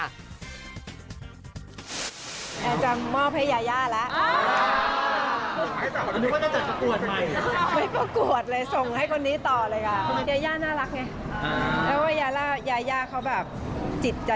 แอนจะมอบให้ยายาละ